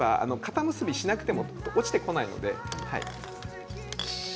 固結びしなくても落ちてこないので。